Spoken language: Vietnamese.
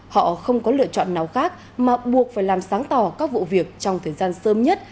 họ không có lựa chọn nào khác mà buộc phải làm sáng tỏ các vụ việc trong thời gian sớm nhất